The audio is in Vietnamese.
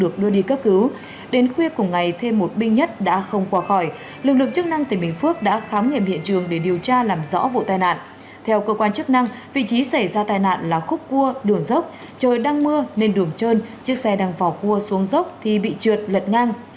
công an tỉnh bình phước đã khám nghiệm hiện trường để điều tra làm rõ vụ tai nạn theo cơ quan chức năng vị trí xảy ra tai nạn là khúc cua đường dốc trời đang mưa nên đường trơn chiếc xe đang phỏ cua xuống dốc thì bị trượt lật ngang